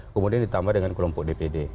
kemudian ditambah dengan kelompok dpd